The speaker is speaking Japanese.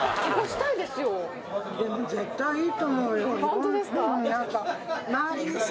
ホントですか？